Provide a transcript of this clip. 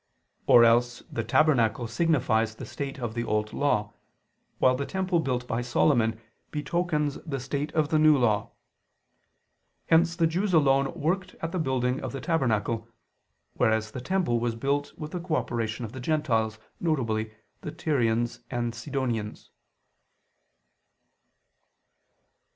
Or else the tabernacle signifies the state of the Old Law; while the temple built by Solomon betokens the state of the New Law. Hence the Jews alone worked at the building of the tabernacle; whereas the temple was built with the cooperation of the Gentiles, viz. the Tyrians and Sidonians.